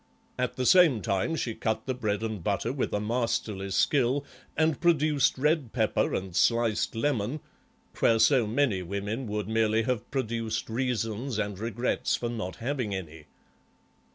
At the same time she cut the bread and butter with a masterly skill and produced red pepper and sliced lemon, where so many women would merely have produced reasons and regrets for not having any.